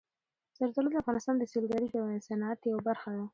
زردالو د افغانستان د سیلګرۍ د صنعت یوه برخه ده.